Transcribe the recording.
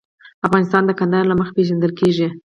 افغانستان د کندهار له مخې پېژندل کېږي.